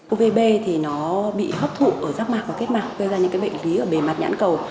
uvb thì nó bị hấp thụ ở rác mạc và kết mạc gây ra những bệnh lý ở bề mặt nhãn cầu